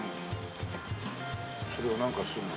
それをなんかするの？